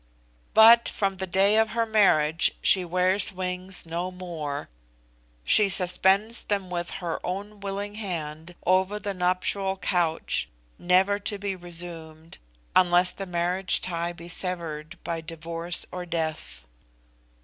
But, from the day of her marriage she wears wings no more, she suspends them with her own willing hand over the nuptial couch, never to be resumed unless the marriage tie be severed by divorce or death.